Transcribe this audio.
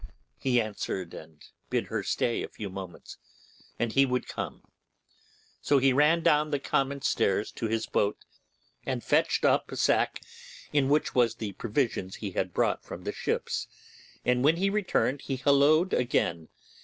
He answered, and bid her stay a few moments and he would come; so he ran down the common stairs to his boat and fetched up a sack, in which was the provisions he had brought from the ships; and when he returned he hallooed again.